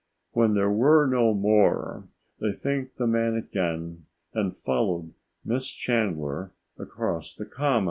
When there were no more, they thanked the man again and followed Miss Chandler across the Common.